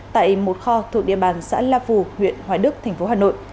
tại một kho thuộc địa bàn xã la phù huyện hoài đức tp hà nội